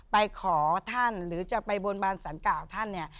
ไปขอท่านหรือจะไปบนบานสารกล่าวท่านเนี่ย